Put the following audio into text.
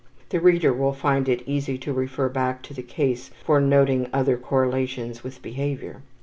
The reader will find it easy to refer back to the case for noting other correlations with behavior.